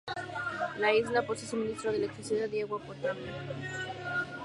La isla posee suministro de electricidad y agua potable.